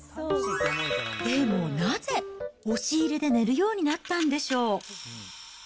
でもなぜ、押し入れで寝るようになったんでしょう。